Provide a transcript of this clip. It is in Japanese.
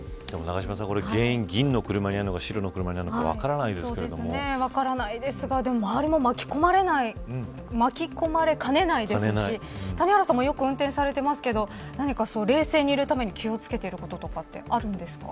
永島さん、原因は銀の車にあるのか白の車にあるのか分からないですけれども周りも巻き込まれかねないですし谷原さんもよく運転されていますが冷静にいるために気を付けていることってあるんですか。